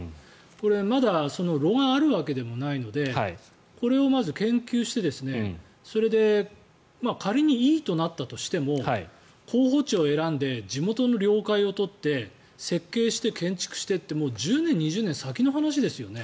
これ、まだ炉があるわけでもないのでこれをまず研究してそれで仮にいいとなったとしても候補地を選んで地元の了解を取って設計して建築してって１０年、２０年先の話ですよね。